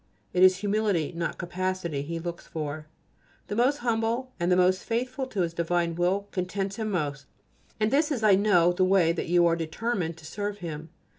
It is humility, not capacity, He looks for. The most humble and the most faithful to His divine will contents Him most, and this is, I know, the way in which you are determined to serve Him.